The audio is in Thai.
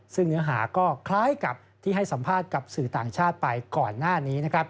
ซึ่งเนื้อหาก็คล้ายกับที่ให้สัมภาษณ์กับสื่อต่างชาติไปก่อนหน้านี้